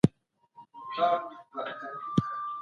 په خوشحالۍ او خوندونو کي له اندازې زیاتی مه کوئ.